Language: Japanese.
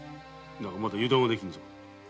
だが油断はできんぞ。